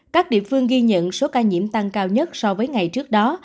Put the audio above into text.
các địa phương ghi nhận số ca nhiễm tăng cao nhất so với ngày trước đó